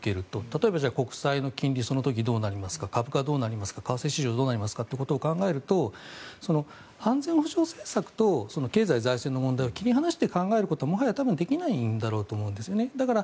例えば、国債の金利その時どうなりますか株価どうなりますか為替市場どうなりますかと考えると、安全保障政策と経済財政の問題を切り離して考えることはもはや多分できないんだろうと思うんですね。